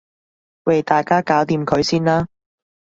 喂大家搞掂佢先啦